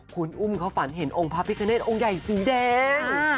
คุณอุ้มเขาฝันเห็นองค์พระพิคเนตองค์ใหญ่สีแดง